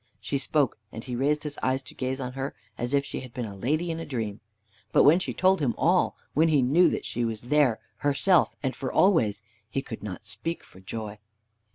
She spoke, and he raised his eyes to gaze on her, as if she had been a lady in a dream. But when she told him all, when he knew that she was there herself, and for always, he could not speak for joy.